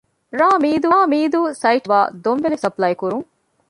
ރ.މީދޫ ސައިޓަށް ބޭނުންވާ ދޮންވެލި ސަޕްލައިކުރުން